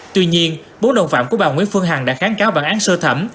tuy nhiên bốn đồng phạm của bà nguyễn phương hằng đã kháng cáo bản án sơ thẩm